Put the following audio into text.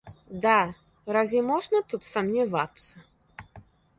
Да, разве можно тут сомневаться?